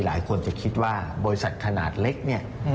หลายคนจะคิดว่าบริษัทขนาดเล็กเนี่ย